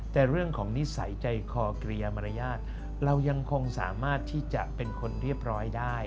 แต่เรื่องของนิสัยใจคอเกริยามารยาทเรายังคงสามารถที่จะเป็นคนเรียบร้อยได้